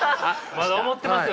まだ思ってますよ